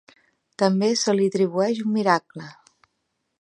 També se li atribueix un miracle.